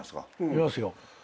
いますよ。